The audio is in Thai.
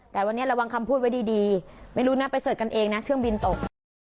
แต่วันนี้ระวังคำพูดไว้ดีไม่รู้นะไปเสิร์ชกันเองนะเครื่องบินตก